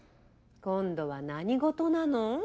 今度は何事なの？